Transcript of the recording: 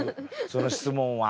その質問は。